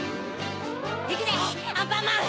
いくぜアンパンマン！